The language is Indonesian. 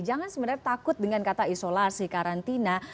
jangan sebenarnya takut dengan kata isolasi karantina